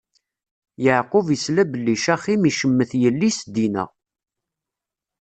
Yeɛqub isla belli Caxim icemmet yelli-s Dina.